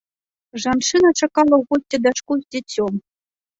Жанчына чакала ў госці дачку з дзіцём.